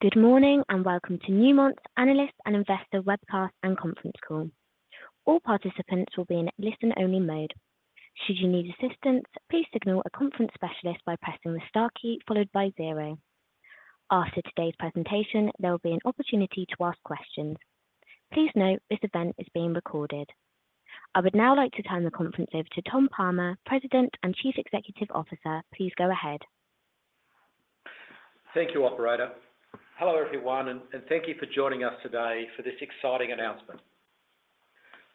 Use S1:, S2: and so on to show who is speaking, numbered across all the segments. S1: Good morning, welcome to Newmont's Analyst and Investor Webcast and Conference Call. All participants will be in listen-only mode. Should you need assistance, please signal a conference specialist by pressing the star key followed by zero. After today's presentation, there will be an opportunity to ask questions. Please note, this event is being recorded. I would now like to turn the conference over to Tom Palmer, President and Chief Executive Officer. Please go ahead.
S2: Thank you, operator. Hello, everyone, and thank you for joining us today for this exciting announcement.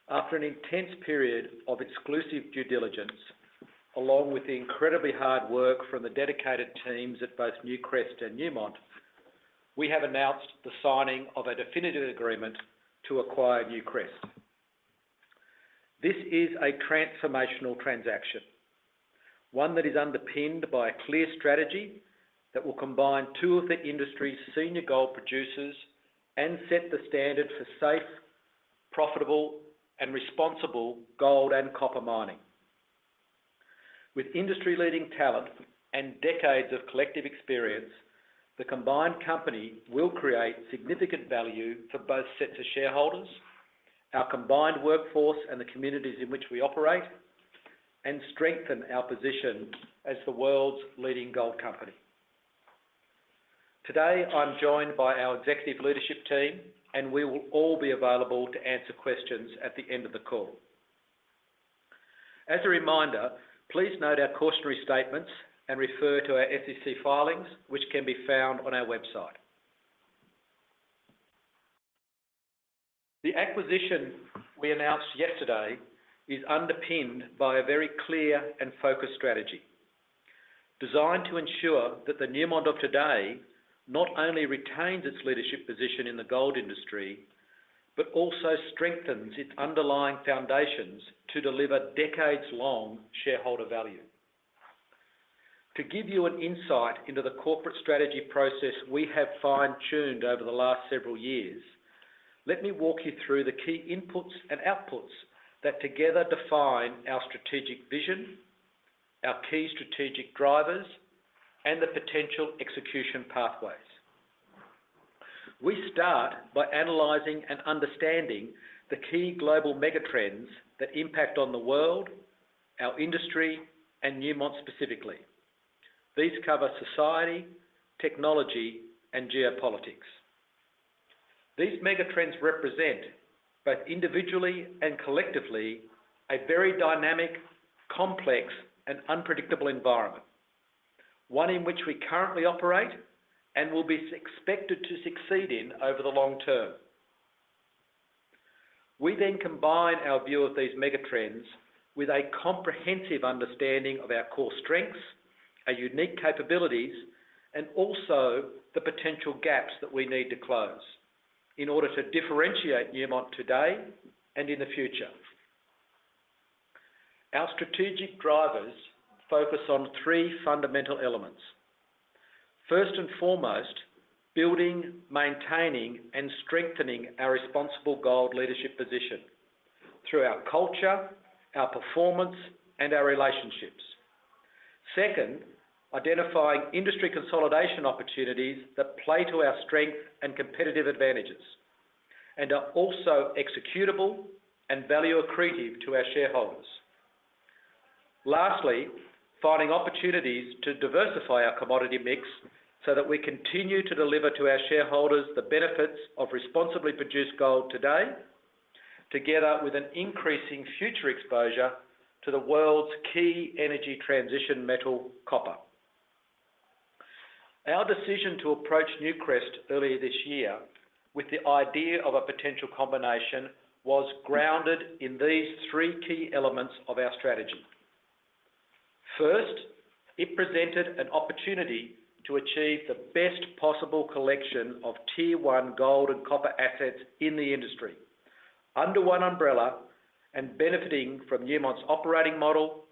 S2: After an intense period of exclusive due diligence, along with the incredibly hard work from the dedicated teams at both Newcrest and Newmont, we have announced the signing of a definitive agreement to acquire Newcrest. This is a transformational transaction, one that is underpinned by a clear strategy that will combine two of the industry's senior gold producers and set the standard for safe, profitable, and responsible gold and copper mining. With industry-leading talent and decades of collective experience, the combined company will create significant value for both sets of shareholders, our combined workforce, and the communities in which we operate, and strengthen our position as the world's leading gold company. Today, I'm joined by our executive leadership team, and we will all be available to answer questions at the end of the call. As a reminder, please note our cautionary statements and refer to our SEC filings, which can be found on our website. The acquisition we announced yesterday is underpinned by a very clear and focused strategy designed to ensure that the Newmont of today not only retains its leadership position in the gold industry, but also strengthens its underlying foundations to deliver decades-long shareholder value. To give you an insight into the corporate strategy process we have fine-tuned over the last several years, let me walk you through the key inputs and outputs that together define our strategic vision, our key strategic drivers, and the potential execution pathways. We start by analyzing and understanding the key global mega trends that impact on the world, our industry, and Newmont specifically. These cover society, technology, and geopolitics. These mega trends represent, both individually and collectively, a very dynamic, complex, and unpredictable environment, one in which we currently operate and will be expected to succeed in over the long term. We then combine our view of these mega trends with a comprehensive understanding of our core strengths, our unique capabilities, and also the potential gaps that we need to close in order to differentiate Newmont today and in the future. Our strategic drivers focus on three fundamental elements. First and foremost, building, maintaining, and strengthening our responsible gold leadership position through our culture, our performance, and our relationships. Second, identifying industry consolidation opportunities that play to our strength and competitive advantages and are also executable and value accretive to our shareholders. Finding opportunities to diversify our commodity mix so that we continue to deliver to our shareholders the benefits of responsibly produced gold today, together with an increasing future exposure to the world's key energy transition metal, copper. Our decision to approach Newcrest earlier this year with the idea of a potential combination was grounded in these three key elements of our strategy. First, it presented an opportunity to achieve the best possible collection of Tier 1 gold and copper assets in the industry under one umbrella and benefiting from Newmont's operating model,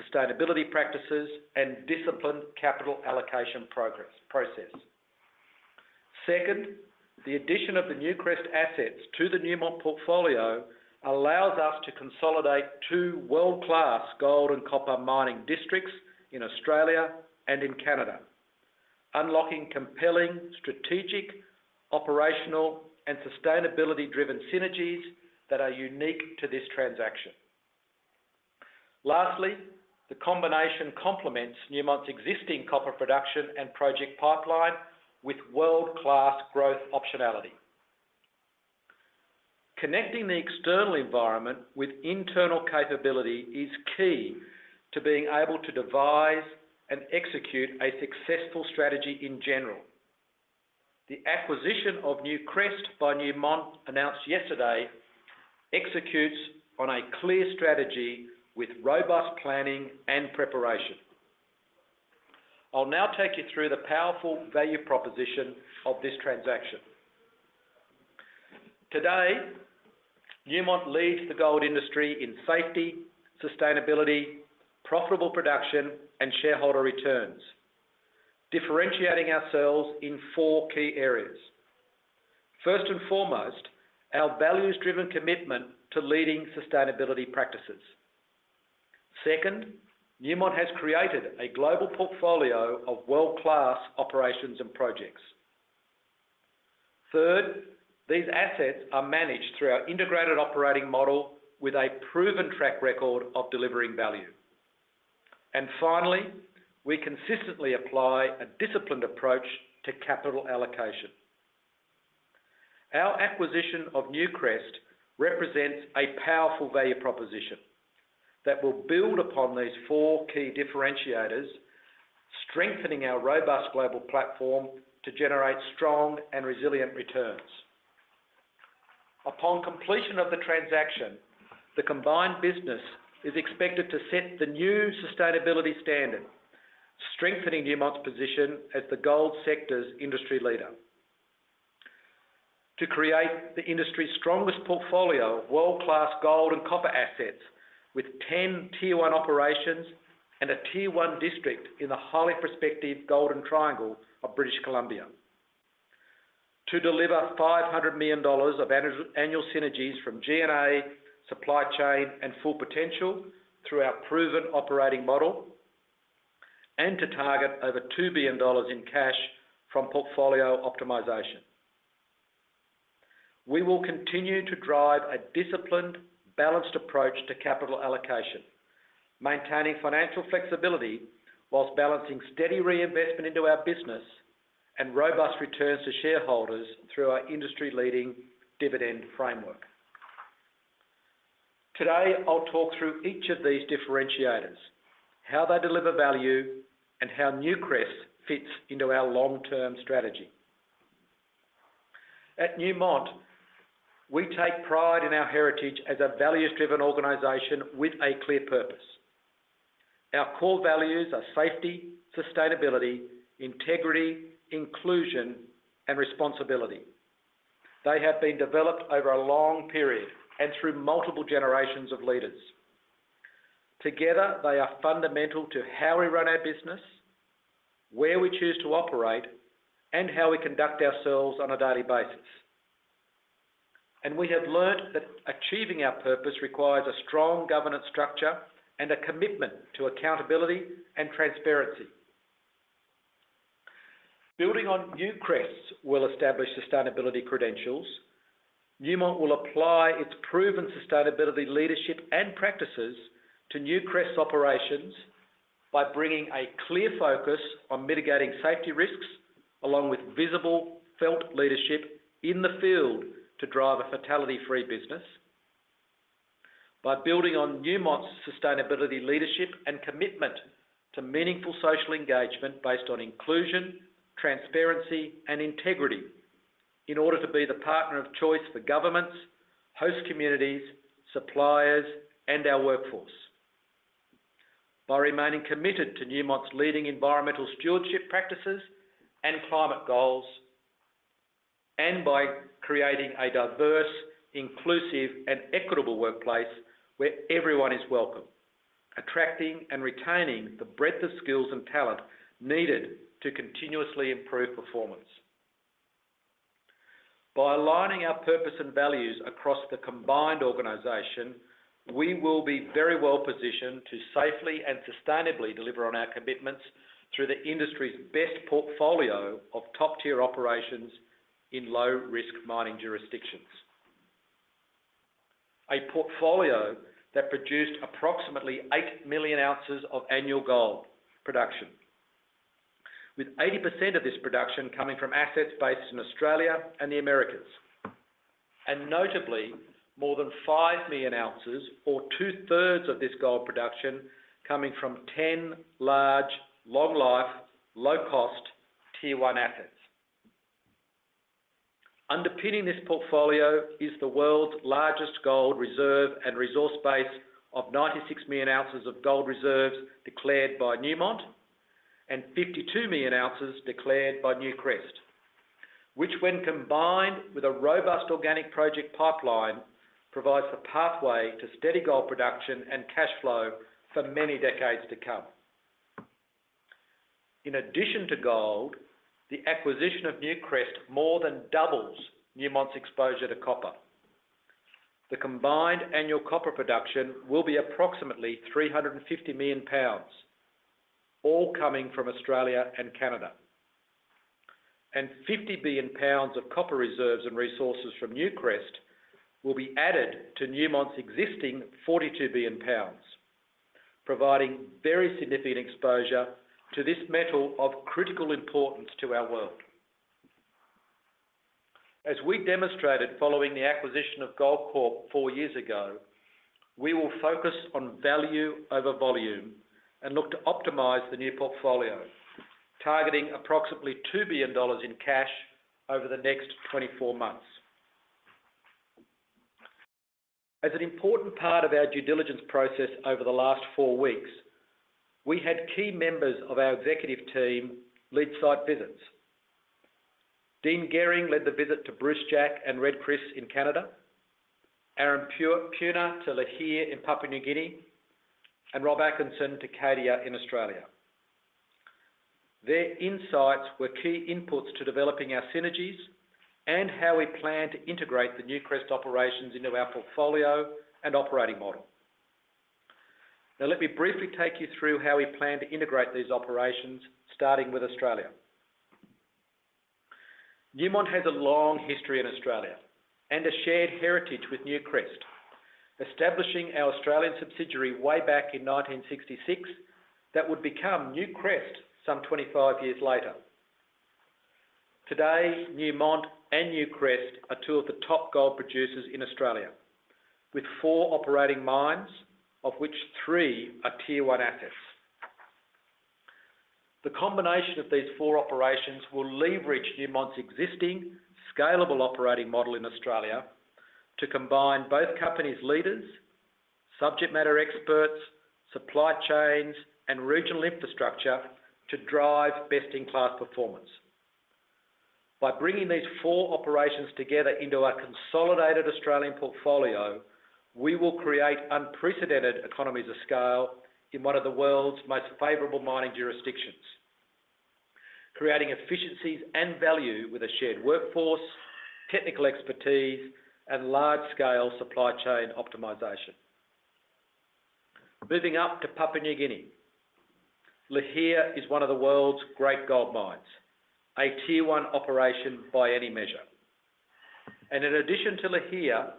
S2: sustainability practices, and disciplined capital allocation process. Second, the addition of the Newcrest assets to the Newmont portfolio allows us to consolidate two world-class gold and copper mining districts in Australia and in Canada, unlocking compelling strategic, operational, and sustainability-driven synergies that are unique to this transaction. Lastly, the combination complements Newmont's existing copper production and project pipeline with world-class growth optionality. Connecting the external environment with internal capability is key to being able to devise and execute a successful strategy in general. The acquisition of Newcrest by Newmont announced yesterday executes on a clear strategy with robust planning and preparation. I'll now take you through the powerful value proposition of this transaction. Today, Newmont leads the gold industry in safety, sustainability, profitable production, and shareholder returns, differentiating ourselves in four key areas. First and foremost, our values-driven commitment to leading sustainability practices. Second, Newmont has created a global portfolio of world-class operations and projects. Third, these assets are managed through our integrated operating model with a proven track record of delivering value. Finally, we consistently apply a disciplined approach to capital allocation. Our acquisition of Newcrest represents a powerful value proposition that will build upon these four key differentiators, strengthening our robust global platform to generate strong and resilient returns. Upon completion of the transaction, the combined business is expected to set the new sustainability standard, strengthening Newmont's position as the gold sector's industry leader. To create the industry's strongest portfolio of world-class gold and copper assets with 10 Tier 1 operations and a Tier 1 district in the highly prospective Golden Triangle of British Columbia. To deliver $500 million of annual synergies from G&A, supply chain, and Full Potential through our proven operating model, and to target over $2 billion in cash from portfolio optimization. We will continue to drive a disciplined, balanced approach to capital allocation, maintaining financial flexibility while balancing steady reinvestment into our business and robust returns to shareholders through our industry-leading dividend framework. Today, I'll talk through each of these differentiators, how they deliver value, and how Newcrest fits into our long-term strategy. At Newmont, we take pride in our heritage as a values-driven organization with a clear purpose. Our core values are safety, sustainability, integrity, inclusion, and responsibility. They have been developed over a long period and through multiple generations of leaders. Together, they are fundamental to how we run our business, where we choose to operate, and how we conduct ourselves on a daily basis. We have learnt that achieving our purpose requires a strong governance structure and a commitment to accountability and transparency. Building on Newcrest's well-established sustainability credentials, Newmont will apply its proven sustainability leadership and practices to Newcrest operations by bringing a clear focus on mitigating safety risks along with visible, felt leadership in the field to drive a fatality-free business. By building on Newmont's sustainability leadership and commitment to meaningful social engagement based on inclusion, transparency, and integrity in order to be the partner of choice for governments, host communities, suppliers, and our workforce. By remaining committed to Newmont's leading environmental stewardship practices and climate goals, and by creating a diverse, inclusive, and equitable workplace where everyone is welcome, attracting and retaining the breadth of skills and talent needed to continuously improve performance. By aligning our purpose and values across the combined organization, we will be very well-positioned to safely and sustainably deliver on our commitments through the industry's best portfolio of top-tier operations in low-risk mining jurisdictions. A portfolio that produced approximately 8 million ounces of annual gold production, with 80% of this production coming from assets based in Australia and the Americas. Notably, more than 5 million ounces or two-thirds of this gold production coming from 10 large, long-life, low-cost Tier 1 assets. Underpinning this portfolio is the world's largest gold reserve and resource base of 96 million ounces of gold reserves declared by Newmont and 52 million ounces declared by Newcrest, which when combined with a robust organic project pipeline, provides the pathway to steady gold production and cash flow for many decades to come. In addition to gold, the acquisition of Newcrest more than doubles Newmont's exposure to copper. The combined annual copper production will be approximately 350 million pounds, all coming from Australia and Canada. 50 billion pounds of copper reserves and resources from Newcrest will be added to Newmont's existing 42 billion pounds, providing very significant exposure to this metal of critical importance to our world. As we demonstrated following the acquisition of Goldcorp 4 years ago, we will focus on value over volume and look to optimize the new portfolio, targeting approximately $2 billion in cash over the next 24 months. As an important part of our due diligence process over the last 4 weeks, we had key members of our executive team lead site visits. Dean Gehring led the visit to Brucejack and Red Chris in Canada, Aaron Puna to Lihir in Papua New Guinea, and Rob Atkinson to Cadia in Australia. Their insights were key inputs to developing our synergies and how we plan to integrate the Newcrest operations into our portfolio and operating model. Let me briefly take you through how we plan to integrate these operations, starting with Australia. Newmont has a long history in Australia and a shared heritage with Newcrest, establishing our Australian subsidiary way back in 1966 that would become Newcrest some 25 years later. Today, Newmont and Newcrest are two of the top gold producers in Australia, with four operating mines, of which three are Tier 1 assets. The combination of these four operations will leverage Newmont's existing scalable operating model in Australia to combine both companies' leaders, subject matter experts, supply chains, and regional infrastructure to drive best-in-class performance. By bringing these four operations together into our consolidated Australian portfolio, we will create unprecedented economies of scale in one of the world's most favorable mining jurisdictions. Creating efficiencies and value with a shared workforce, technical expertise, and large-scale supply chain optimization. Moving up to Papua New Guinea. Lihir is one of the world's great gold mines, a Tier 1 operation by any measure. In addition to Lihir,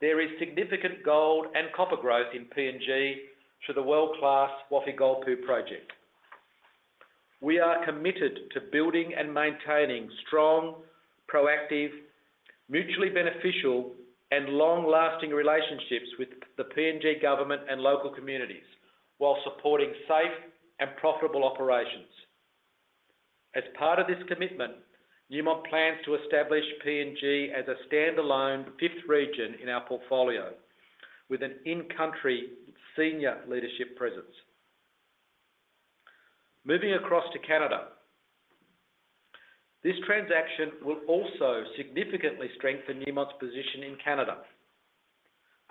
S2: there is significant gold and copper growth in PNG through the world-class Wafi-Golpu project. We are committed to building and maintaining strong, proactive, mutually beneficial, and long-lasting relationships with the PNG government and local communities while supporting safe and profitable operations. As part of this commitment, Newmont plans to establish PNG as a standalone fifth region in our portfolio with an in-country senior leadership presence. Moving across to Canada. This transaction will also significantly strengthen Newmont's position in Canada.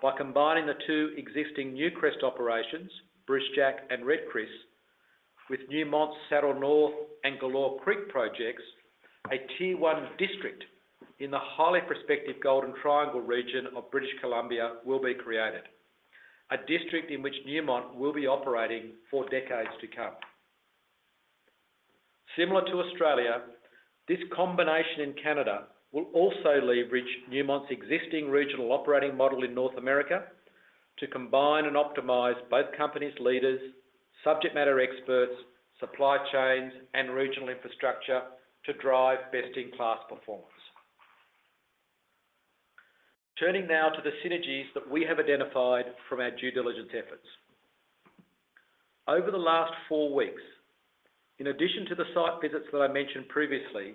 S2: By combining the two existing Newcrest operations, Brucejack and Red Chris, with Newmont's Saddle North and Galore Creek projects, a Tier 1 district in the highly prospective Golden Triangle region of British Columbia will be created. A district in which Newmont will be operating for decades to come. Similar to Australia, this combination in Canada will also leverage Newmont's existing regional operating model in North America to combine and optimize both companies' leaders, subject matter experts, supply chains, and regional infrastructure to drive best-in-class performance. Turning now to the synergies that we have identified from our due diligence efforts. Over the last four weeks, in addition to the site visits that I mentioned previously,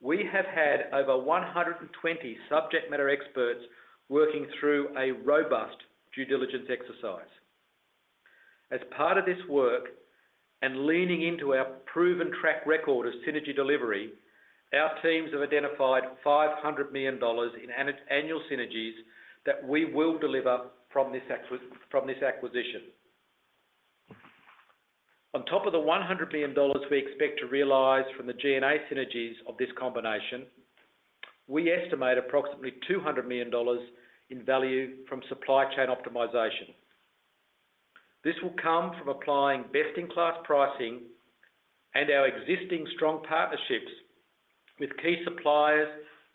S2: we have had over 120 subject matter experts working through a robust due diligence exercise. As part of this work and leaning into our proven track record of synergy delivery, our teams have identified $500 million in annual synergies that we will deliver from this acquisition. On top of the $100 million we expect to realize from the G&A synergies of this combination, we estimate approximately $200 million in value from supply chain optimization. This will come from applying best-in-class pricing and our existing strong partnerships with key suppliers,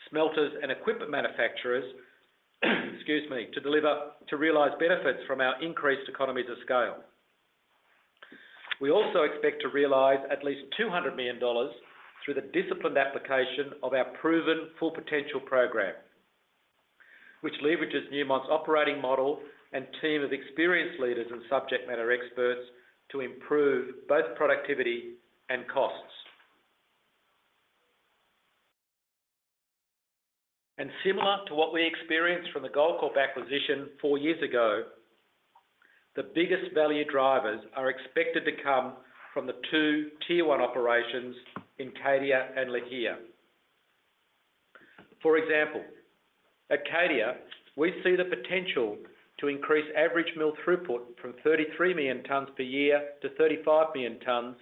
S2: smelters, and equipment manufacturers, excuse me, to realize benefits from our increased economies of scale. We also expect to realize at least $200 million through the disciplined application of our proven Full Potential program, which leverages Newmont's operating model and team of experienced leaders and subject matter experts to improve both productivity and costs. Similar to what we experienced from the Goldcorp acquisition four years ago, the biggest value drivers are expected to come from the two Tier 1 operations in Cadia and Lihir. For example, at Cadia, we see the potential to increase average mill throughput from 33 million tons per year to 35 million tons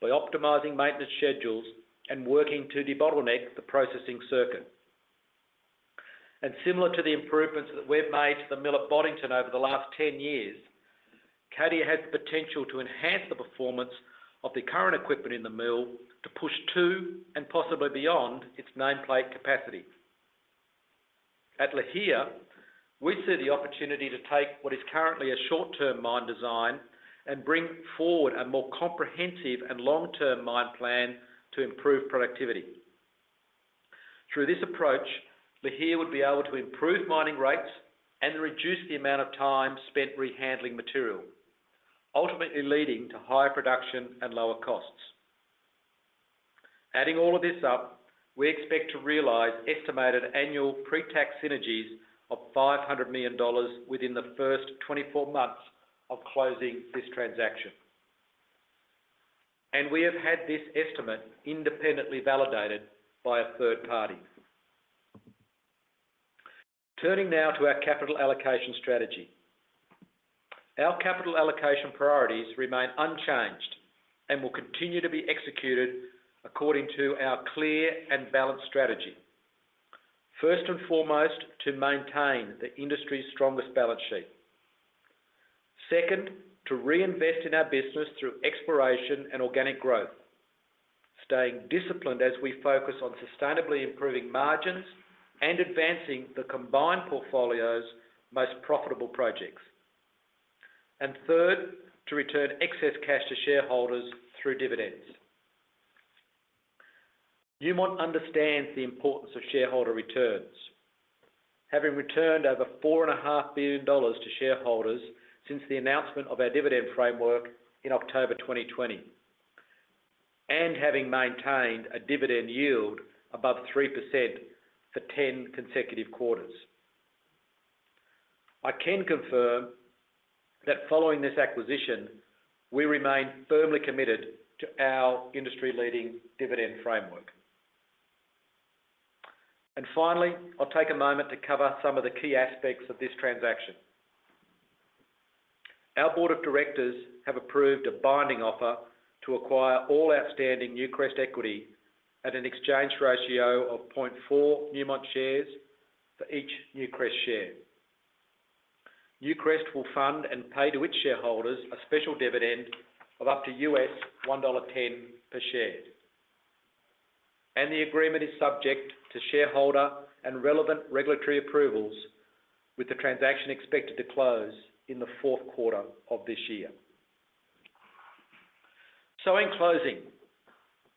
S2: by optimizing maintenance schedules and working to debottleneck the processing circuit. Similar to the improvements that we've made to the mill at Boddington over the last 10 years, Cadia has the potential to enhance the performance of the current equipment in the mill to push to and possibly beyond its nameplate capacity. At Lihir, we see the opportunity to take what is currently a short-term mine design and bring forward a more comprehensive and long-term mine plan to improve productivity. Through this approach, Lihir would be able to improve mining rates and reduce the amount of time spent rehandling material, ultimately leading to higher production and lower costs. Adding all of this up, we expect to realize estimated annual pre-tax synergies of $500 million within the first 24 months of closing this transaction. We have had this estimate independently validated by a third party. Turning now to our capital allocation strategy. Our capital allocation priorities remain unchanged and will continue to be executed according to our clear and balanced strategy. First and foremost, to maintain the industry's strongest balance sheet. Second, to reinvest in our business through exploration and organic growth. Staying disciplined as we focus on sustainably improving margins and advancing the combined portfolio's most profitable projects. Third, to return excess cash to shareholders through dividends. Newmont understands the importance of shareholder returns. Having returned over four and a half billion dollars to shareholders since the announcement of our dividend framework in October 2020, and having maintained a dividend yield above 3% for 10 consecutive quarters. I can confirm that following this acquisition, we remain firmly committed to our industry-leading dividend framework. Finally, I'll take a moment to cover some of the key aspects of this transaction. Our board of directors have approved a binding offer to acquire all outstanding Newcrest equity at an exchange ratio of 0.4 Newmont shares for each Newcrest share. Newcrest will fund and pay to its shareholders a special dividend of up to $1.10 per share. The agreement is subject to shareholder and relevant regulatory approvals, with the transaction expected to close in the fourth quarter of this year. In closing,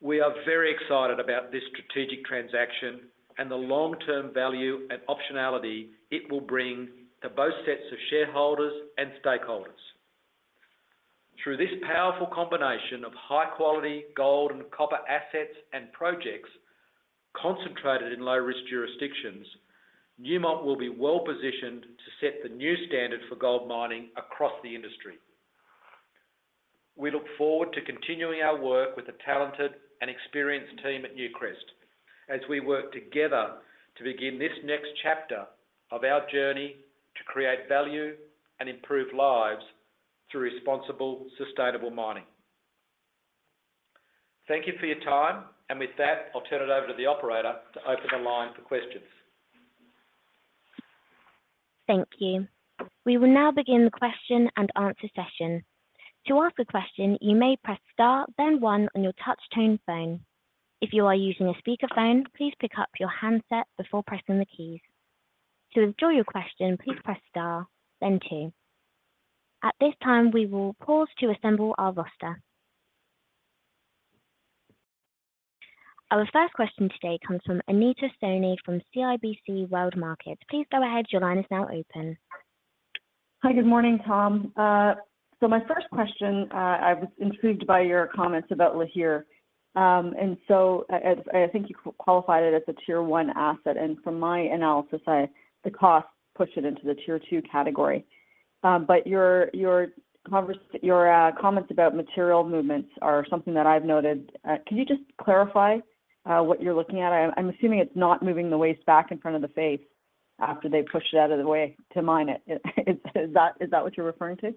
S2: we are very excited about this strategic transaction and the long-term value and optionality it will bring to both sets of shareholders and stakeholders. Through this powerful combination of high-quality gold and copper assets and projects concentrated in low-risk jurisdictions, Newmont will be well-positioned to set the new standard for gold mining across the industry. We look forward to continuing our work with the talented and experienced team at Newcrest as we work together to begin this next chapter of our journey to create value and improve lives through responsible, sustainable mining. Thank you for your time. With that, I'll turn it over to the operator to open the line for questions.
S1: Thank you. We will now begin the question-and-answer session. To ask a question, you may press star then one on your touch tone phone. If you are using a speakerphone, please pick up your handset before pressing the keys. To withdraw your question, please press star then two. At this time, we will pause to assemble our roster. Our first question today comes from Anita Soni from CIBC World Markets. Please go ahead. Your line is now open.
S3: Hi. Good morning, Tom. My first question, I was intrigued by your comments about Lihir. I think you qualified it as a Tier 1 asset, and from my analysis, the cost pushed it into the Tier 2 category. Your comments about material movements are something that I've noted. Can you just clarify what you're looking at? I'm assuming it's not moving the waste back in front of the face after they push it out of the way to mine it. Is that what you're referring to?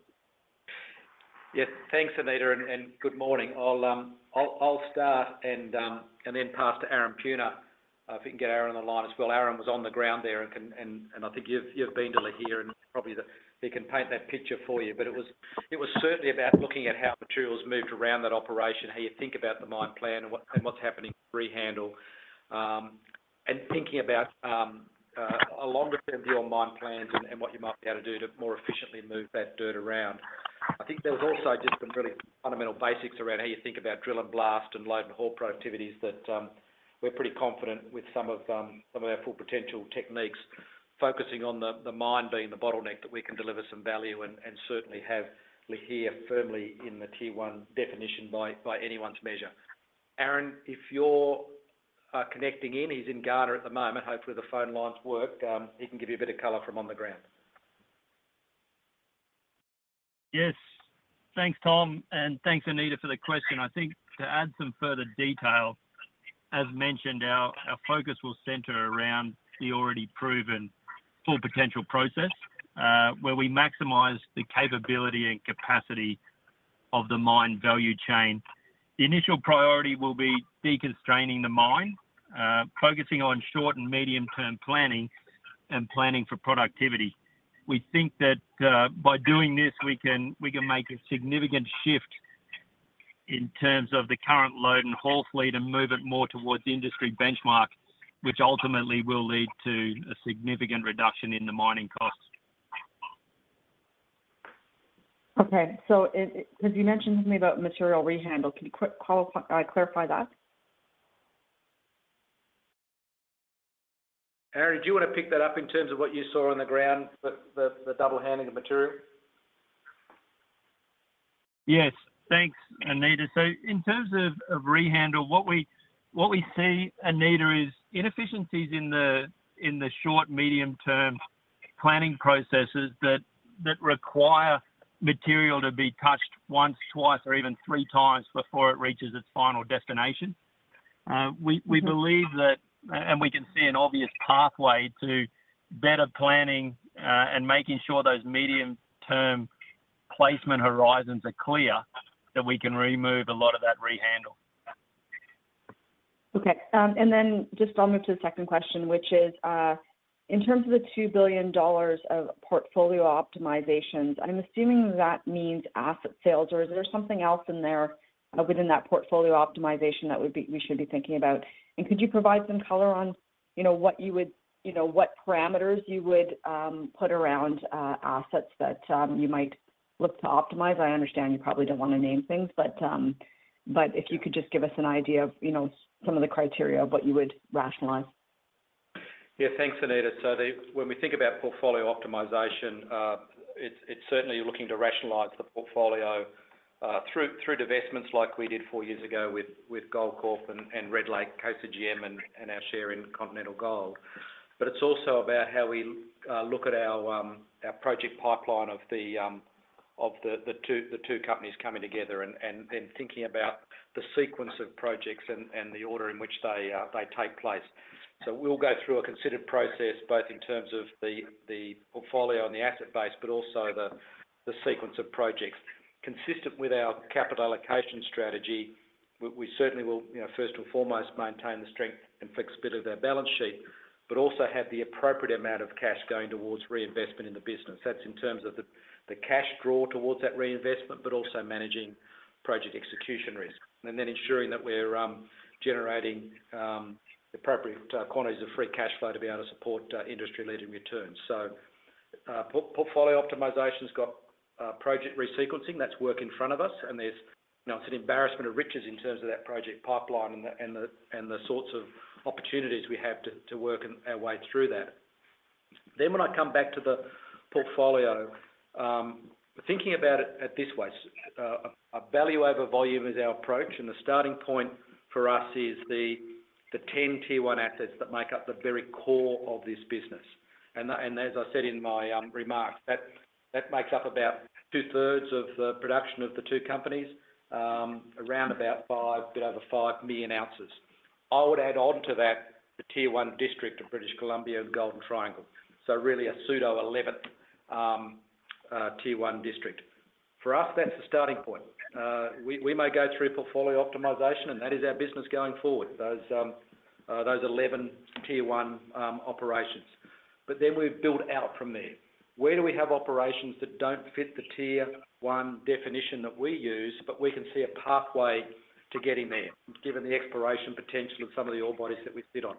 S2: Yes. Thanks, Anita, and good morning. I'll start and then pass to Aaron Puna. If we can get Aaron on the line as well. Aaron was on the ground there and can and I think you've been to Lihir and probably he can paint that picture for you. It was certainly about looking at how materials moved around that operation, how you think about the mine plan and what's happening rehandle. Thinking about a longer-term view on mine plans and what you might be able to do to more efficiently move that dirt around. I think there was also just some really fundamental basics around how you think about drill and blast and load and haul productivities that we're pretty confident with some of some of our Full Potential techniques, focusing on the mine being the bottleneck that we can deliver some value and certainly have Lihir firmly in the Tier 1 definition by anyone's measure. Aaron, if you're connecting in, he's in Ghana at the moment. Hopefully, the phone lines work. He can give you a bit of color from on the ground.
S4: Yes. Thanks, Tom, and thanks, Anita, for the question. I think to add some further detail, as mentioned, our focus will center around the already proven Full Potential process, where we maximize the capability and capacity of the mine value chain. The initial priority will be deconstraining the mine, focusing on short and medium-term planning and planning for productivity. We think that, by doing this, we can make a significant shift in terms of the current load and haul fleet and move it more towards industry benchmark, which ultimately will lead to a significant reduction in the mining cost.
S3: Okay. Because you mentioned to me about material rehandle. Can you clarify that?
S2: Aaron, do you wanna pick that up in terms of what you saw on the ground, the double handling of material?
S4: Yes. Thanks, Anita. In terms of rehandle, what we see, Anita, is inefficiencies in the short, medium-term planning processes that require material to be touched once, twice or even three times before it reaches its final destination.
S2: We believe that, and we can see an obvious pathway to better planning, and making sure those medium-term placement horizons are clear, that we can remove a lot of that rehandle.
S3: Okay. Just I'll move to the second question, which is, in terms of the $2 billion of portfolio optimizations, I'm assuming that means asset sales, or is there something else in there within that portfolio optimization that would be, we should be thinking about? Could you provide some color on, you know, what you would, you know, what parameters you would put around assets that you might look to optimize? I understand you probably don't want to name things, if you could just give us an idea of, you know, some of the criteria of what you would rationalize.
S2: Thanks, Anita. When we think about portfolio optimization, it's certainly looking to rationalize the portfolio through divestments like we did 4 years ago with Goldcorp and Red Lake, Cochenour and our share in Continental Gold. It's also about how we look at our project pipeline of the two companies coming together and thinking about the sequence of projects and the order in which they take place. We'll go through a considered process, both in terms of the portfolio and the asset base, but also the sequence of projects. Consistent with our capital allocation strategy, we certainly will, you know, first and foremost, maintain the strength and flexibility of our balance sheet, but also have the appropriate amount of cash going towards reinvestment in the business. That's in terms of the cash draw towards that reinvestment, but also managing project execution risk. Then ensuring that we're generating appropriate quantities of free cash flow to be able to support industry-leading returns. Portfolio optimization's got project resequencing. That's work in front of us. There's, you know, it's an embarrassment of riches in terms of that project pipeline and the sorts of opportunities we have to work in our way through that. When I come back to the portfolio, thinking about it at this way, a value over volume is our approach, and the starting point for us is the 10 Tier 1 assets that make up the very core of this business. As I said in my remarks, that makes up about two-thirds of the production of the two companies, around about 5, a bit over 5 million ounces. I would add on to that the Tier 1 district of British Columbia Golden Triangle. Really a pseudo 11th, Tier 1 district. For us, that's the starting point. We may go through portfolio optimization, and that is our business going forward, those 11 Tier 1 operations. We build out from there. Where do we have operations that don't fit the Tier 1 definition that we use, but we can see a pathway to getting there, given the exploration potential of some of the ore bodies that we sit on?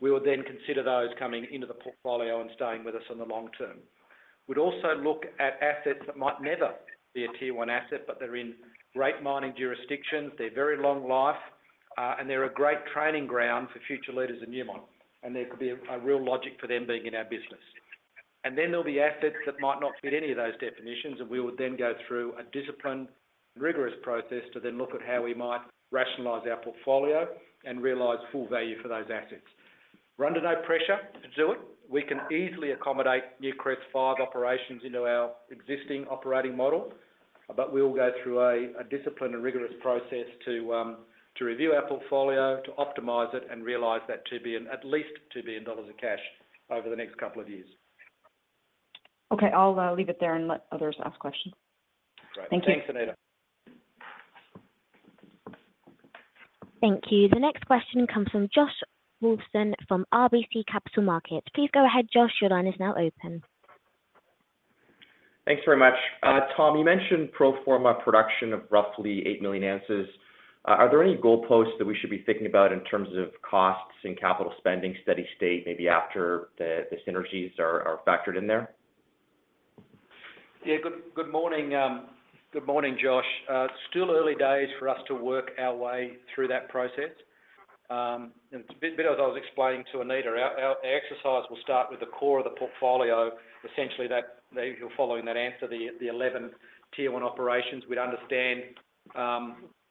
S2: We would then consider those coming into the portfolio and staying with us in the long term. We'd also look at assets that might never be a Tier 1 asset, but they're in great mining jurisdictions. They're very long life, and they're a great training ground for future leaders in Newmont. There could be a real logic for them being in our business. Then there'll be assets that might not fit any of those definitions, and we would then go through a disciplined, rigorous process to then look at how we might rationalize our portfolio and realize full value for those assets. We're under no pressure to do it. We can easily accommodate Newcrest's five operations into our existing operating model, but we'll go through a disciplined and rigorous process to review our portfolio, to optimize it, and realize that to be an at least $2 billion of cash over the next couple of years.
S3: Okay. I'll leave it there and let others ask questions.
S2: Great.
S3: Thank you.
S2: Thanks, Anita.
S1: Thank you. The next question comes from Joshua Wolfson from RBC Capital Markets. Please go ahead, Josh. Your line is now open.
S5: Thanks very much. Tom, you mentioned pro forma production of roughly 8 million ounces. Are there any goalposts that we should be thinking about in terms of costs and capital spending, steady state, maybe after the synergies are factored in there?
S2: Yeah. Good morning. Good morning, Josh. Still early days for us to work our way through that process. A bit as I was explaining to Anita, our exercise will start with the core of the portfolio, essentially that if you're following that answer, the 11 Tier 1 operations. We'd understand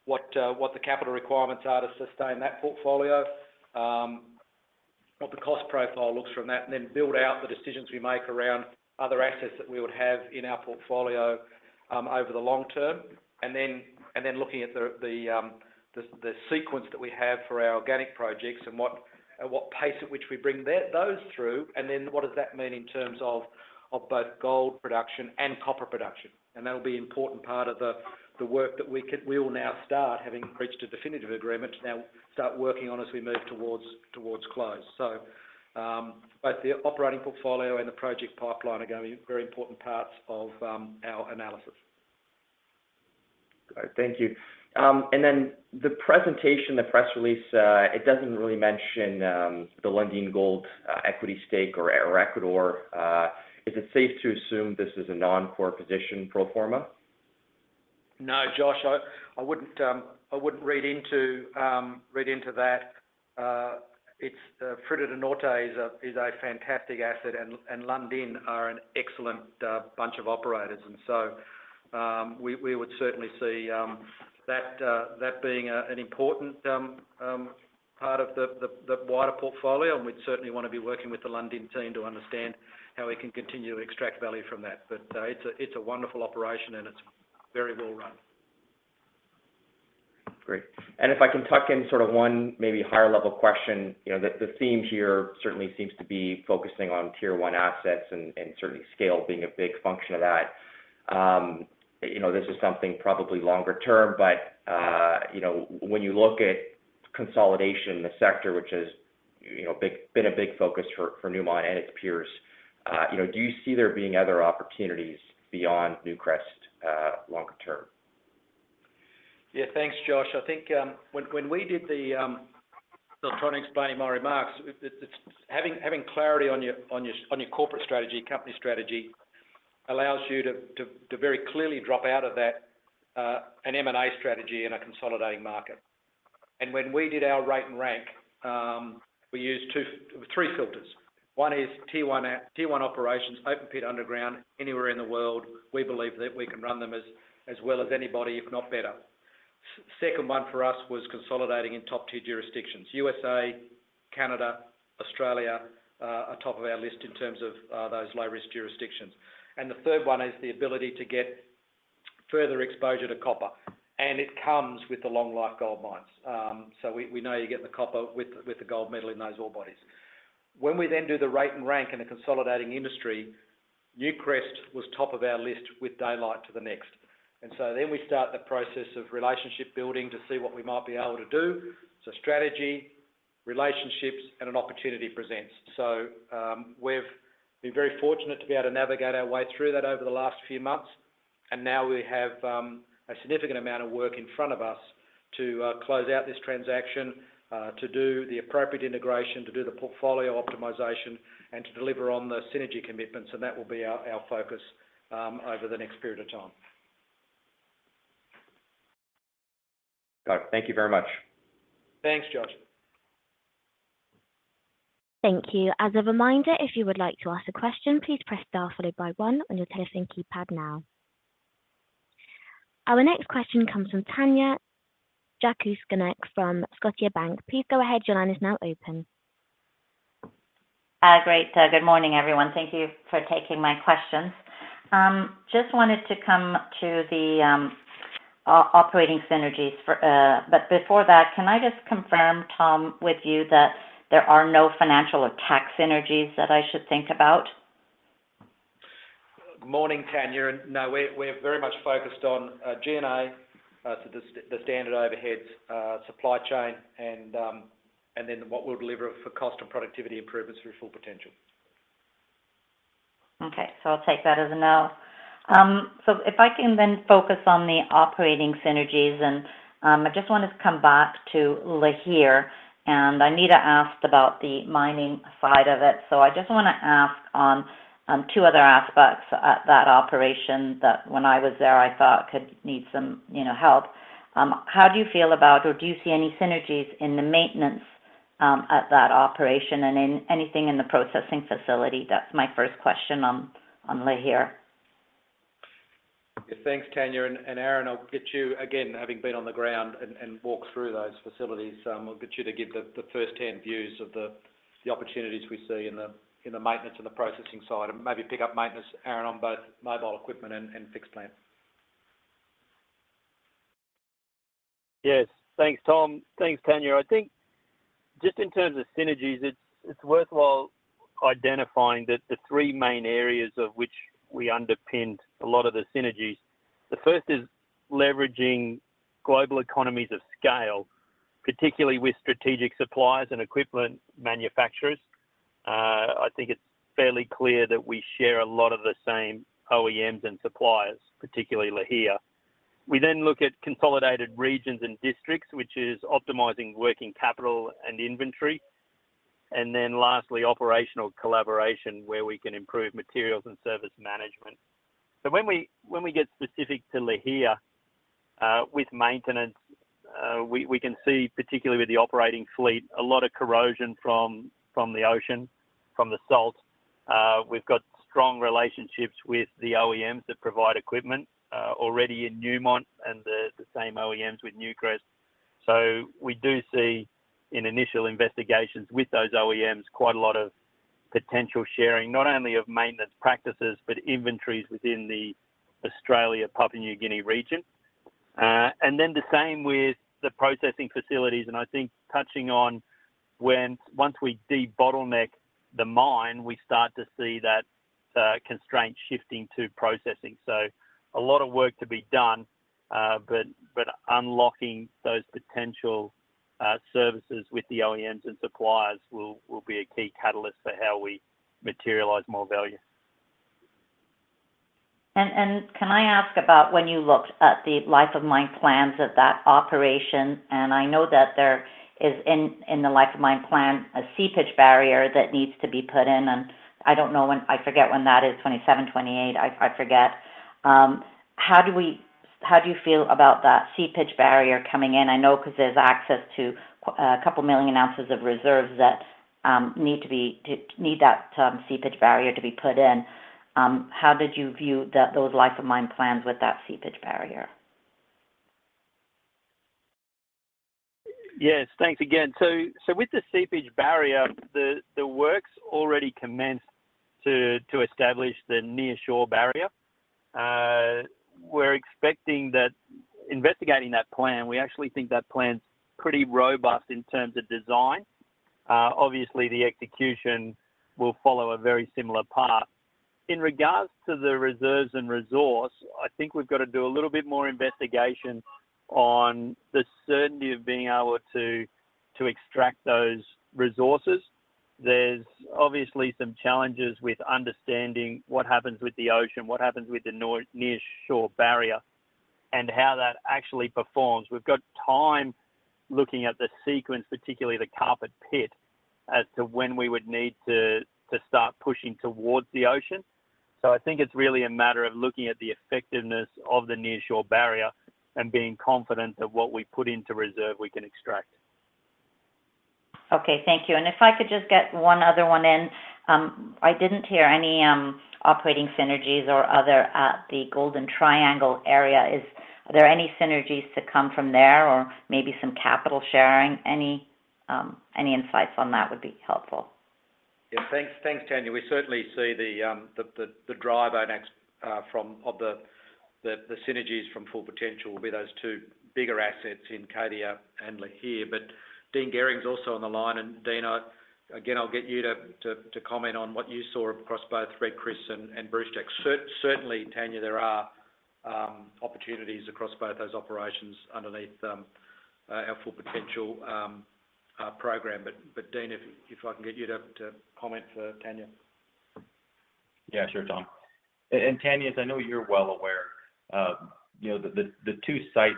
S2: what the capital requirements are to sustain that portfolio, what the cost profile looks from that, and then build out the decisions we make around other assets that we would have in our portfolio over the long term. Then looking at the sequence that we have for our organic projects and what pace at which we bring those through, and then what does that mean in terms of both gold production and copper production? That'll be important part of the work that we will now start having reached a definitive agreement, now start working on as we move towards close. Both the operating portfolio and the project pipeline are gonna be very important parts of our analysis.
S5: All right. Thank you. The presentation, the press release, it doesn't really mention, the Lundin Gold, equity stake or Ecuador. Is it safe to assume this is a non-core position pro forma?
S2: No, Josh, I wouldn't read into that. It's Fruta del Norte is a fantastic asset and Lundin are an excellent bunch of operators. We would certainly see that being an important part of the wider portfolio. We'd certainly wanna be working with the Lundin team to understand how we can continue to extract value from that. It's a wonderful operation and it's very well run.
S5: Great. If I can tuck in sort of one maybe higher level question. You know, the theme here certainly seems to be focusing on Tier 1 assets and certainly scale being a big function of that. You know, this is something probably longer term, but, you know, when you look at consolidation in the sector, which is, you know, been a big focus for Newmont and its peers, you know, do you see there being other opportunities beyond Newcrest, longer term?
S2: Yeah. Thanks, Josh. I think, when we did the, I'll try to explain in my remarks. It's having clarity on your corporate strategy, company strategy allows you to very clearly drop out of that, an M&A strategy in a consolidating market. When we did our rate and rank, we used three filters. One is Tier 1 operations, open pit underground, anywhere in the world, we believe that we can run them as well as anybody, if not better. Second one for us was consolidating in top tier jurisdictions. USA, Canada, Australia, are top of our list in terms of those low-risk jurisdictions. The third one is the ability to get further exposure to copper, and it comes with the long life gold mines. We know you get the copper with the gold metal in those ore bodies. When we then do the rate and rank in a consolidating industry, Newcrest was top of our list with daylight to the next. We start the process of relationship building to see what we might be able to do. Strategy, relationships, and an opportunity presents. We've been very fortunate to be able to navigate our way through that over the last few months. Now we have a significant amount of work in front of us to close out this transaction, to do the appropriate integration, to do the portfolio optimization, and to deliver on the synergy commitments, and that will be our focus over the next period of time.
S5: Got it. Thank you very much.
S2: Thanks, Josh.
S1: Thank you. As a reminder, if you would like to ask a question, please press star followed by one on your telephone keypad now. Our next question comes from Tanya Jakusconek from Scotiabank. Please go ahead, your line is now open.
S6: Great. Good morning, everyone. Thank you for taking my questions. Just wanted to come to the operating synergies. Before that, can I just confirm, Tom, with you that there are no financial or tax synergies that I should think about?
S2: Morning, Tanya. No, we're very much focused on G&A, so the standard overheads, supply chain and then what we'll deliver for cost and productivity improvements through Full Potential.
S6: Okay. I'll take that as a no. If I can then focus on the operating synergies and I just want to come back to Lihir, and Anita asked about the mining side of it. I just wanna ask on two other aspects at that operation that when I was there, I thought could need some, you know, help. How do you feel about or do you see any synergies in the maintenance at that operation and in anything in the processing facility? That's my first question on Lihir.
S2: Thanks, Tanya. Aaron, I'll get you again, having been on the ground and walk through those facilities, I'll get you to give the first-hand views of the opportunities we see in the maintenance and the processing side, and maybe pick up maintenance, Aaron, on both mobile equipment and fixed plant.
S4: Yes. Thanks, Tom. Thanks, Tanya. I think just in terms of synergies, it's worthwhile identifying that the three main areas of which we underpinned a lot of the synergies. The first is leveraging global economies of scale, particularly with strategic suppliers and equipment manufacturers. I think it's fairly clear that we share a lot of the same OEMs and suppliers, particularly Lihir. We then look at consolidated regions and districts, which is optimizing working capital and inventory. Lastly, operational collaboration where we can improve materials and service management. When we get specific to Lihir, with maintenance, we can see, particularly with the operating fleet, a lot of corrosion from the ocean, from the salt. We've got strong relationships with the OEMs that provide equipment already in Newmont and the same OEMs with Newcrest. We do see in initial investigations with those OEMs, quite a lot of potential sharing, not only of maintenance practices, but inventories within the Australia, Papua New Guinea region. The same with the processing facilities. I think touching on when once we debottleneck the mine, we start to see that constraint shifting to processing. A lot of work to be done, but unlocking those potential services with the OEMs and suppliers will be a key catalyst for how we materialize more value.
S6: Can I ask about when you looked at the life of mine plans of that operation, and I know that there is in the life of mine plan, a seepage barrier that needs to be put in. I forget when that is, 2027, 2028, I forget. How do you feel about that seepage barrier coming in? I know because there's access to a couple million ounces of reserves that need that seepage barrier to be put in. How did you view the, those life of mine plans with that seepage barrier?
S2: Yes. Thanks again. With the seepage barrier, the work's already commenced to establish the nearshore barrier. We're expecting that investigating that plan, we actually think that plan's pretty robust in terms of design. Obviously, the execution will follow a very similar path. In regards to the reserves and resource, I think we've gotta do a little bit more investigation on the certainty of being able to extract those resources. There's obviously some challenges with understanding what happens with the ocean, what happens with the nearshore barrier, and how that actually performs. We've got time looking at the sequence, particularly the Kapit Pit, as to when we would need to start pushing towards the ocean. I think it's really a matter of looking at the effectiveness of the nearshore barrier and being confident that what we put into reserve we can extract.
S6: Okay. Thank you. If I could just get one other one in. I didn't hear any operating synergies or other at the Golden Triangle area. Is there any synergies to come from there, or maybe some capital sharing? Any insights on that would be helpful.
S2: Yeah. Thanks, Tanya. We certainly see the drive of the synergies from Full Potential will be those two bigger assets in Cadia and Lihir. Dean Gehring's also on the line. Dean, again, I'll get you to comment on what you saw across both Red Chris and Brucejack. Certainly, Tanya, there are opportunities across both those operations underneath our Full Potential program. Dean, if I can get you to comment for Tanya.
S7: Yeah, sure, Tom. Tanya Jakusconek, as I know you're well aware of, you know, the two sites,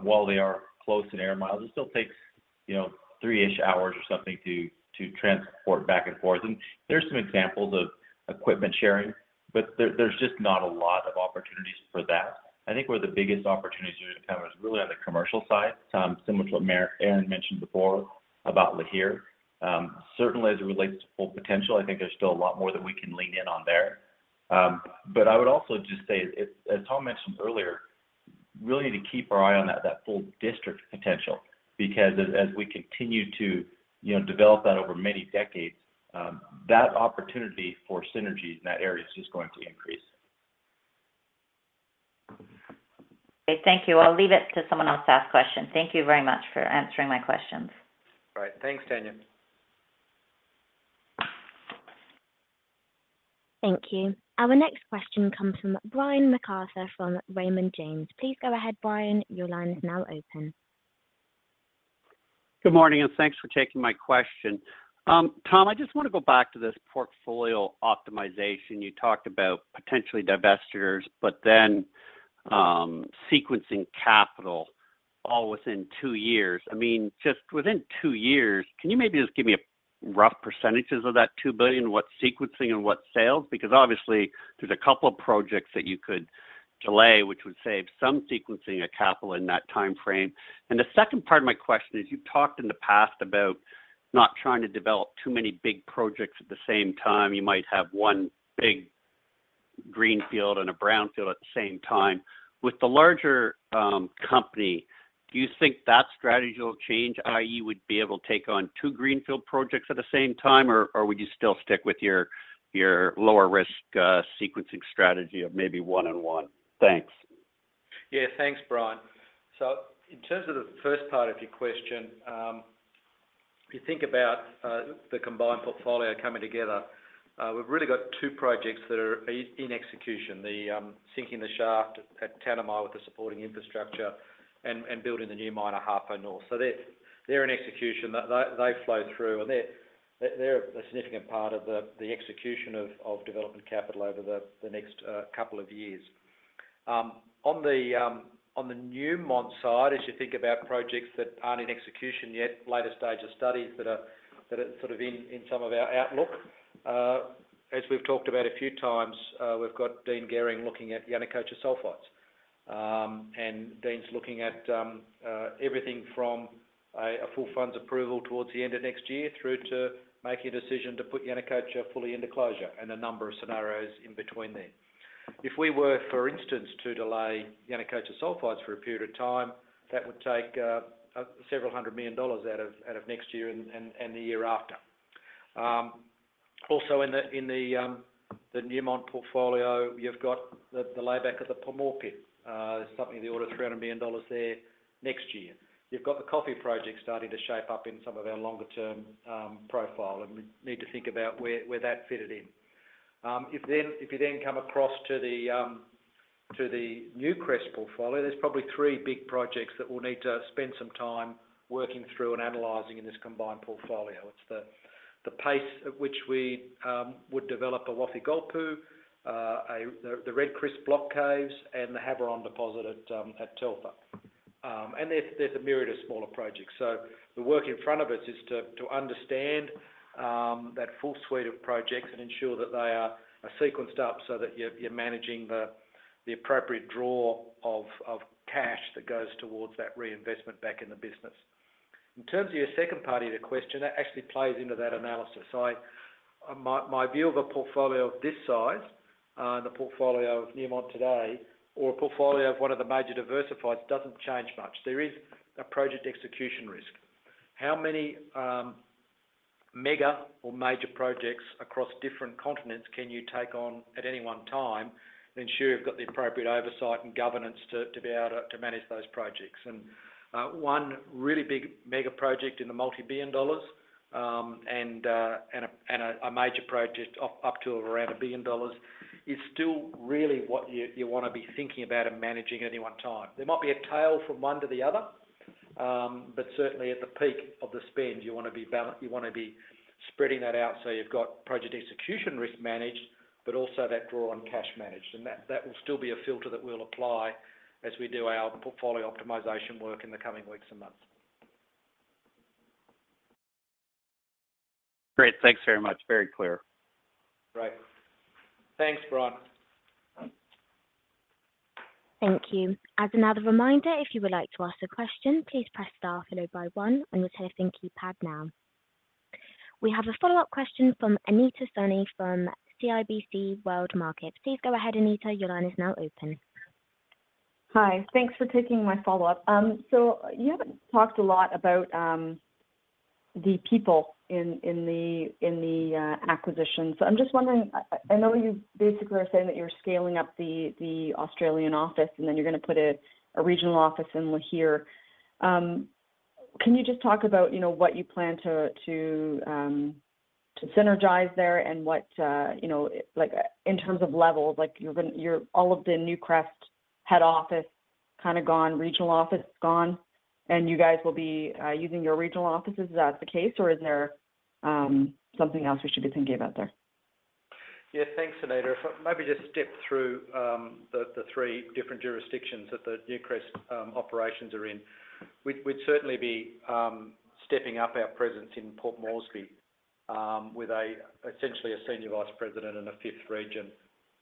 S7: while they are close in air miles, it still takes, you know, 3-ish hours or something to transport back and forth. There's some examples of equipment sharing, but there's just not a lot of opportunities for that. I think where the biggest opportunities are gonna come is really on the commercial side, similar to what Maree Arnasona mentioned before about Lihir. Certainly as it relates to Full Potential, I think there's still a lot more that we can lean in on there. I would also just say, as Tom mentioned earlier, really to keep our eye on that full district potential. As we continue to, you know, develop that over many decades, that opportunity for synergies in that area is just going to increase.
S6: Okay. Thank you. I'll leave it to someone else to ask questions. Thank you very much for answering my questions.
S2: All right. Thanks, Tanya.
S1: Thank you. Our next question comes from Brian MacArthur from Raymond James. Please go ahead, Brian. Your line is now open.
S8: Good morning. Thanks for taking my question. Tom, I just wanna go back to this portfolio optimization. You talked about potentially divestitures, but then, sequencing capital all within two years. I mean, just within two years, can you maybe just give me a rough percentages of that $2 billion, what's sequencing and what's sales? Because obviously, there's a couple of projects that you could delay, which would save some sequencing of capital in that timeframe. The second part of my question is, you've talked in the past about not trying to develop too many big projects at the same time. You might have one big greenfield and a brownfield at the same time. With the larger company, do you think that strategy will change, i.e., you would be able to take on two greenfield projects at the same time? Would you still stick with your lower risk sequencing strategy of maybe 1 on 1? Thanks.
S2: Thanks, Brian. In terms of the first part of your question, if you think about the combined portfolio coming together, we've really got 2 projects that are in execution. The sinking the shaft at Tanami with the supporting infrastructure and building the new mine at Ahafo North. They're in execution. They flow through, and they're a significant part of the execution of development capital over the next couple of years. On the Newmont side, as you think about projects that aren't in execution yet, later stage of studies that are sort of in some of our outlook, as we've talked about a few times, we've got Dean Gehring looking at Yanacocha Sulfides. Dean's looking at everything from a full funds approval towards the end of next year through to making a decision to put Yanacocha fully into closure and a number of scenarios in between there. If we were, for instance, to delay Yanacocha Sulfides for a period of time, that would take several hundred million dollars out of next year and the year after. Also in the Newmont portfolio, you've got the layback of the Tapado pit. Something in the order of $300 million there next year. You've got the Coffee project starting to shape up in some of our longer term profile, and we need to think about where that fitted in. If you then come across to the Newcrest portfolio, there's probably three big projects that we'll need to spend some time working through and analyzing in this combined portfolio. It's the pace at which we would develop a Wafi-Golpu, the Red Chris block caves, and the Havieron deposit at Telfer. There's a myriad of smaller projects. The work in front of us is to understand that full suite of projects and ensure that they are sequenced up so that you're managing the appropriate draw of cash that goes towards that reinvestment back in the business. In terms of your second part of your question, that actually plays into that analysis. My view of a portfolio of this size, the portfolio of Newmont today or a portfolio of one of the major diversifies doesn't change much. There is a project execution risk. How many mega or major projects across different continents can you take on at any one time, ensure you've got the appropriate oversight and governance to be able to manage those projects. One really big mega project in the $multi-billion, and a major project up to around $1 billion is still really what you wanna be thinking about and managing at any one time. There might be a tail from one to the other. Certainly at the peak of the spend, you wanna be spreading that out so you've got project execution risk managed, but also that draw on cash managed. That will still be a filter that we'll apply as we do our portfolio optimization work in the coming weeks and months.
S8: Great. Thanks very much. Very clear.
S2: Right. Thanks, Ron.
S1: Thank you. As another reminder, if you would like to ask a question, please press star followed by one on your telephone keypad now. We have a follow-up question from Anita Soni from CIBC World Markets. Please go ahead, Anita. Your line is now open.
S3: Hi. Thanks for taking my follow-up. You haven't talked a lot about the people in the acquisition. I'm just wondering, I know you basically are saying that you're scaling up the Australian office and then you're gonna put a regional office in Lihir. Can you just talk about, you know, what you plan to to synergize there and what, you know, like in terms of levels, like all of the Newcrest head office kinda gone, regional office gone, and you guys will be using your regional offices? Is that the case or is there something else we should be thinking about there?
S2: Thanks, Anita. If maybe just step through the three different jurisdictions that the Newcrest operations are in. We'd certainly be stepping up our presence in Port Moresby with essentially a senior vice president in a 5th region.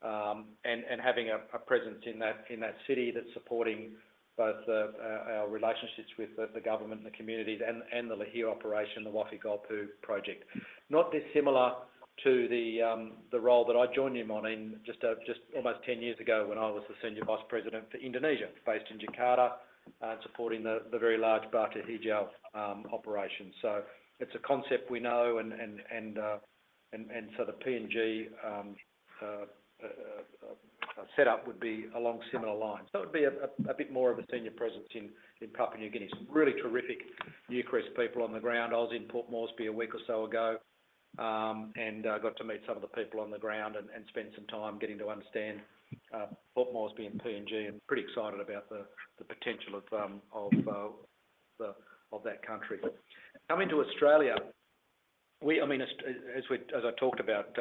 S2: And having a presence in that city that's supporting both our relationships with the government and the communities and the Lihir operation, the Wafi-Golpu Project. Not dissimilar to the role that I joined Newmont in just almost 10 years ago when I was the senior vice president for Indonesia, based in Jakarta, supporting the very large Batu Hijau operation. It's a concept we know and so the PNG setup would be along similar lines. It would be a bit more of a senior presence in Papua New Guinea. Some really terrific Newcrest people on the ground. I was in Port Moresby a week or so ago, and I got to meet some of the people on the ground and spend some time getting to understand Port Moresby and PNG, and pretty excited about the potential of that country. Coming to Australia, I mean, as I talked about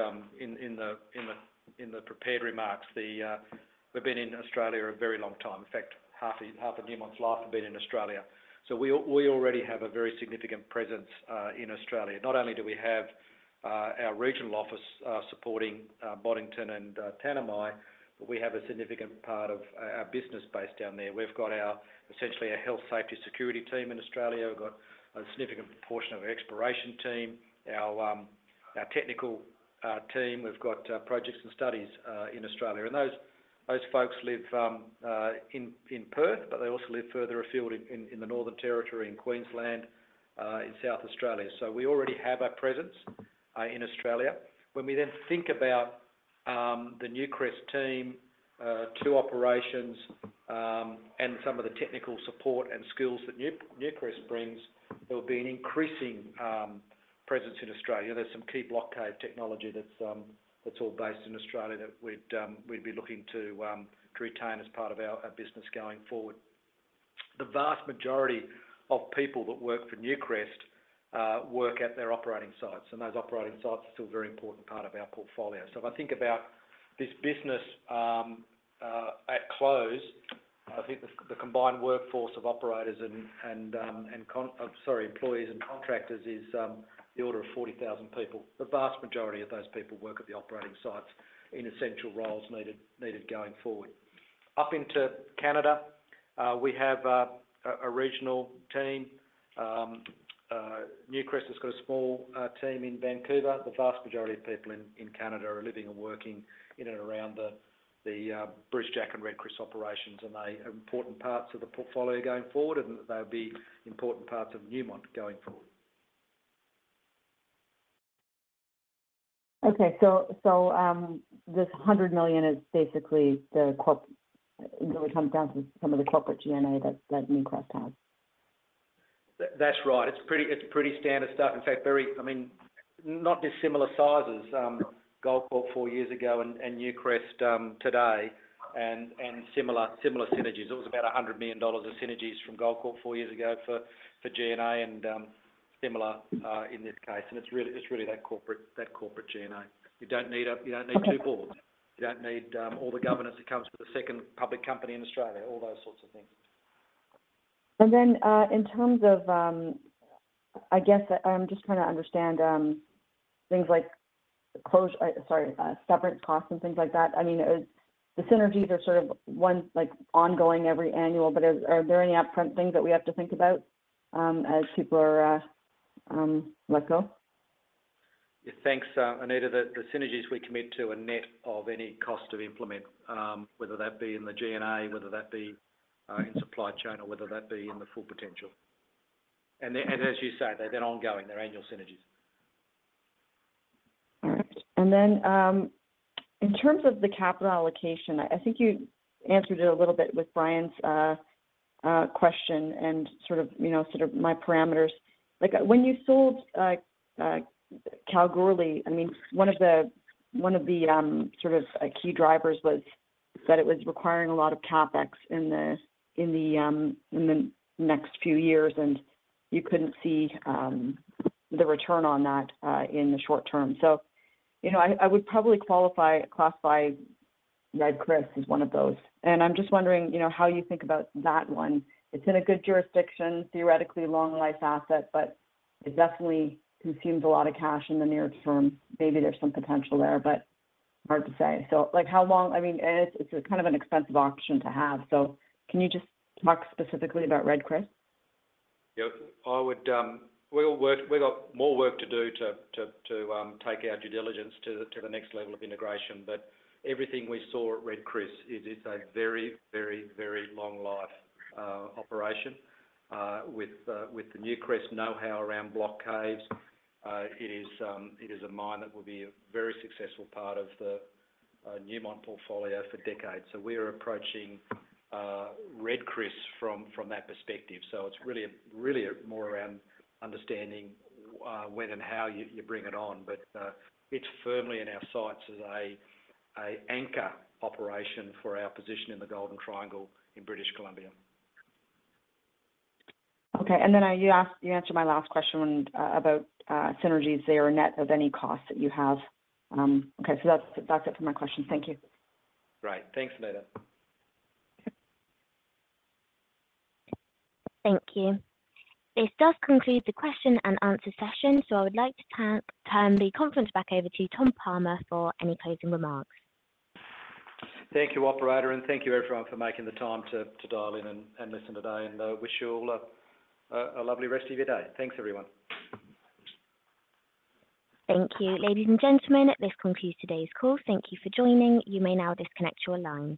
S2: in the prepared remarks, we've been in Australia a very long time. In fact, half of Newmont's life have been in Australia. We already have a very significant presence in Australia. Not only do we have our regional office supporting Boddington and Tanami, but we have a significant part of our business based down there. We've got our, essentially a health safety security team in Australia. We've got a significant portion of our exploration team, our technical team. We've got projects and studies in Australia. Those, those folks live in Perth, but they also live further afield in the Northern Territory in Queensland, in South Australia. We already have a presence in Australia. We then think about the Newcrest team, two operations, and some of the technical support and skills that Newcrest brings, there will be an increasing presence in Australia. There's some key block cave technology that's that's all based in Australia that we'd we'd be looking to retain as part of our business going forward. The vast majority of people that work for Newcrest work at their operating sites, and those operating sites are still a very important part of our portfolio. If I think about this business at close, I think the combined workforce of operators and Sorry, employees and contractors is the order of 40,000 people. The vast majority of those people work at the operating sites in essential roles needed going forward. Up into Canada, we have a regional team. Newcrest has got a small team in Vancouver. The vast majority of people in Canada are living and working in and around the Brucejack and Red Chris operations. They are important parts of the portfolio going forward. They'll be important parts of Newmont going forward.
S3: This $100 million is basically it really comes down to some of the corporate G&A that Newcrest has.
S2: That's right. It's pretty standard stuff. In fact, I mean, not dissimilar sizes, Goldcorp four years ago and Newcrest today and similar synergies. It was about $100 million of synergies from Goldcorp four years ago for G&A and similar in this case. It's really that corporate G&A. You don't need two boards. You don't need all the governance that comes with a second public company in Australia, all those sorts of things.
S3: In terms of, I guess I'm just trying to understand, things like close, sorry, severance costs and things like that. I mean, the synergies are sort of one, like, ongoing every annual, but are there any upfront things that we have to think about? As people are, let go?
S2: Yeah. Thanks, Anita. The synergies we commit to are net of any cost to implement, whether that be in the G&A, whether that be in supply chain, or whether that be in the Full Potential. As you say, they're ongoing. They're annual synergies.
S3: All right. Then, in terms of the capital allocation, I think you answered it a little bit with Brian's question and sort of, you know, sort of my parameters. Like, when you sold Kalgoorlie, I mean, one of the, sort of, key drivers was that it was requiring a lot of CapEx in the next few years, and you couldn't see the return on that in the short term. You know, I would probably classify Red Chris as one of those. I'm just wondering, you know, how you think about that one. It's in a good jurisdiction, theoretically long life asset, but it definitely consumes a lot of cash in the near term. Maybe there's some potential there, but hard to say. Like, how long... I mean, it's a kind of an expensive option to have. Can you just talk specifically about Red Chris?
S2: Yep. I would. We've got more work to do to take our due diligence to the next level of integration. Everything we saw at Red Chris it is a very long life operation. With the Newcrest knowhow around block caves, it is a mine that will be a very successful part of the Newmont portfolio for decades. We're approaching Red Chris from that perspective. It's really more around understanding when and how you bring it on. It's firmly in our sights as a anchor operation for our position in the Golden Triangle in British Columbia.
S3: Okay. Then you answered my last question about synergies. They are net of any cost that you have. Okay, that's it for my questions. Thank you.
S2: Right. Thanks, Anita.
S1: Thank you. This does conclude the question-and-answer session. I would like to turn the conference back over to Tom Palmer for any closing remarks.
S2: Thank you, operator, thank you everyone for making the time to dial in and listen today. Wish you all a lovely rest of your day. Thanks, everyone.
S1: Thank you. Ladies and gentlemen, this concludes today's call. Thank you for joining. You may now disconnect your lines.